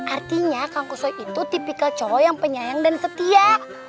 artinya kang kuso itu tipikal colo yang penyayang dan setia